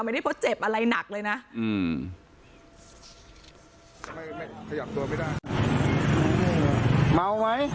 ไม่ได้เพราะเจ็บอะไรหนักเลยนะอืม